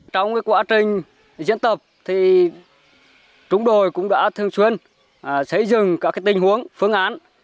trong quá trình diễn tập trung đội cũng đã thường xuyên xây dựng các tình huống phương án